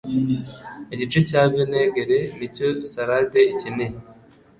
Igice cya vinegere nicyo salade ikeneye.